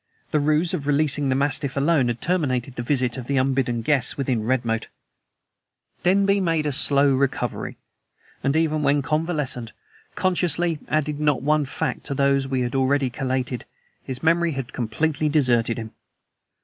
The ruse of releasing the mastiff alone had terminated the visit of the unbidden guest within Redmoat. Denby made a very slow recovery; and, even when convalescent, consciously added not one fact to those we already had collated; his memory had completely deserted him!